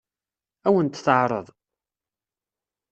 Ad wen-t-teɛṛeḍ?